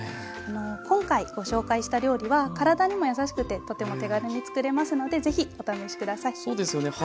今回ご紹介した料理は体にも優しくてとても手軽に作れますので是非お試し下さい。